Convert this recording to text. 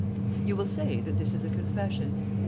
You will say that this is a confession.